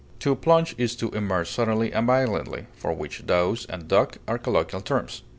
To plunge is to immerse suddenly and violently, for which douse and duck are colloquial terms.